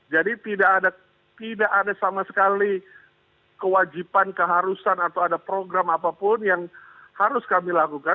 jadi tidak ada sama sekali kewajiban keharusan atau ada program apapun yang harus kami lakukan